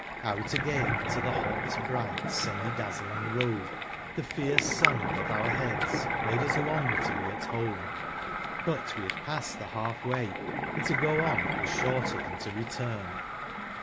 Out again into the hot bright sunny dazzling road, the fierce sun above our heads made us long to be at home, but we had passed the half way, and to go on was shorter than to return.